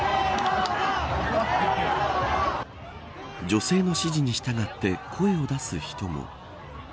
女性の指示に従って声を出す人も。